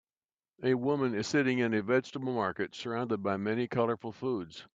A woman is sitting in a vegetable market surrounded by many colorful foods.